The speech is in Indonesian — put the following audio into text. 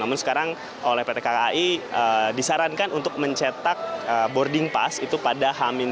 namun sekarang oleh pt kai disarankan untuk mencetak boarding pass itu pada h tiga